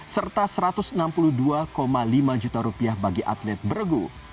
serta rp satu ratus enam puluh dua lima juta bagi atlet beregu